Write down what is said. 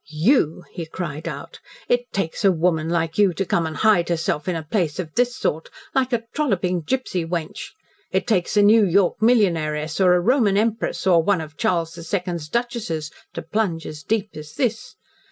"YOU!" he cried out. "It takes a woman like you to come and hide herself in a place of this sort, like a trolloping gipsy wench! It takes a New York millionairess or a Roman empress or one of Charles the Second's duchesses to plunge as deep as this.